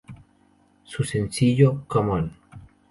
Su sencillo "Come On!